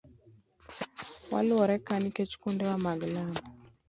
Waluorore ka nikech kuondewa mag lamo.